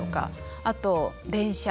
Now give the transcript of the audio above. あと電車。